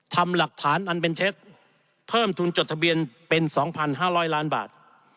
ทำหลักฐานอันเป็นเท็จเพิ่มทุนจดทะเบียนเป็น๒๕๐๐ล้านบาท